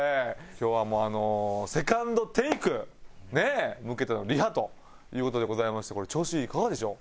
今日はもうあの「ＳＥＣＯＮＤＴＡＫＥ」に向けてのリハという事でございましてこれ調子いかがでしょう？